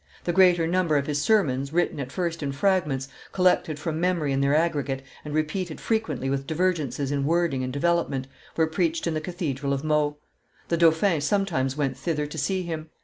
The greater number of his sermons, written at first in fragments, collected from memory in their aggregate, and repeated frequently with divergences in wording and development, were preached in the cathedral of Meaux. The dauphin sometimes went thither to see him.